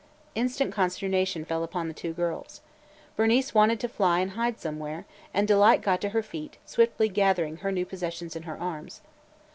Instant consternation fell upon the two girls. Bernice wanted to fly and hide somewhere, and Delight got to her feet, swiftly gathering her new possessions in her arms.